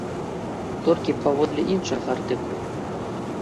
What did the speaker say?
Толькі паводле іншага артыкула.